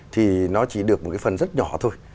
thì nó chỉ được một cái phần rất nhỏ thôi